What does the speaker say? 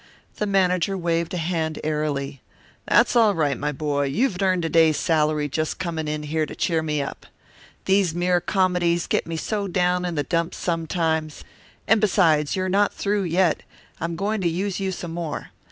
The manager waved a hand airily. "That's all right, my boy; you've earned a day's salary just coming here to cheer me up. These mere comedies get me so down in the dumps sometimes. And besides, you're not through yet. I'm going to use you some more.